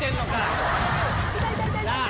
痛い痛い痛い！